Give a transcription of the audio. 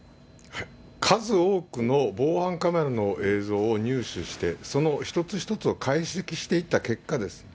数多くの防犯カメラの映像を入手して、その一つ一つを解析していった結果です。